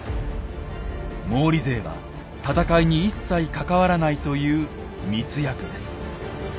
「毛利勢は戦いに一切関わらない」という密約です。